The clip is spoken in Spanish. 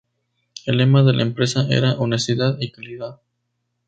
El lema de la empresa era "Honestidad y Calidad".